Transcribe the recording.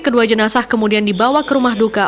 kedua jenazah kemudian dibawa ke rumah duka